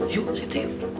yuk sitih yuk